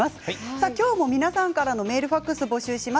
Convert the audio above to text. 今日も皆さんからのメールファックスを募集します。